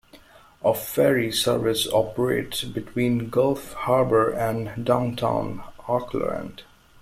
A ferry service operates between Gulf Harbour and downtown Auckland.